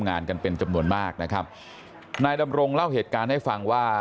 งานกันเป็นจำนวนมากนะครับนายดำรงเล่าเหตุการณ์ให้ฟังว่า